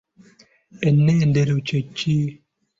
Ennendero kye ki?